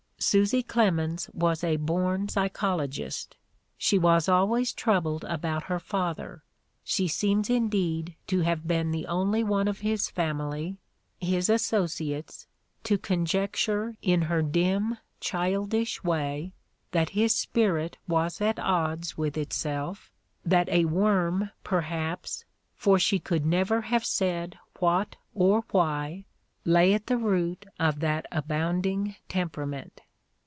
Susy Clemens was a born psychologist ; she was always troubled about her father; she seems indeed to have been the only one of his family, his associates, to conjecture in her dim, childish way that his spirit was at odds with itself, that a worm perhaps, for she could never have said what or why, lay at the root of that abounding temperament.